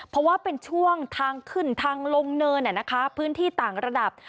เพราะว่าเป็นช่วงทางขึ้นทางลงเนินพื้นที่ต่างระดับ